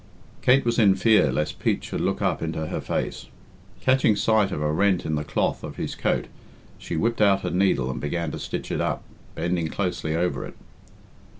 Kate was in fear lest Pete should look up into her face. Catching sight of a rent in the cloth of his coat, she whipped out her needle and began to stitch it up, bending closely over it.